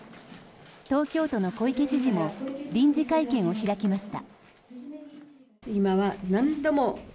東京都の小池知事も臨時会見を開きました。